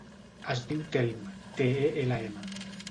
Es diu Telm: te, e, ela, ema.